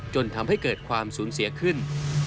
จนทำให้เกิดความสูญเสียขึ้น